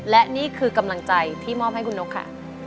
และนี่คือกำลังใจที่มอบให้คุณนกค่ะ